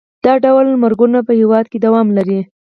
دا ډول مرګونه په هېواد کې دوام لري.